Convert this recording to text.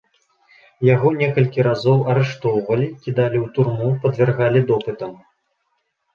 Яго некалькі разоў арыштоўвалі, кідалі ў турму, падвяргалі допытам.